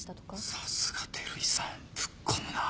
さすが照井さんぶっ込むなぁ。